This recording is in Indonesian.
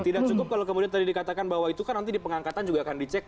tidak cukup kalau kemudian tadi dikatakan bahwa itu kan nanti di pengangkatan juga akan dicek